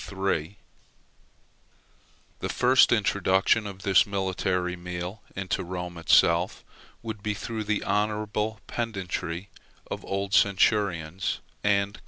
The first introduction of this military meal into Rome itself, would be through the honorable pedantry of old centurions, &c.